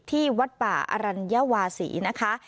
ที่วัดป่าอรัญวาศีนะคะ